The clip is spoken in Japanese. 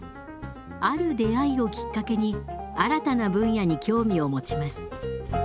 ある出会いをきっかけに新たな分野に興味を持ちます。